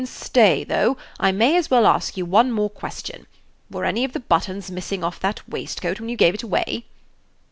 "Stay, though; I may as well ask you one more question. Were any of the buttons missing off that waistcoat when you gave it away?"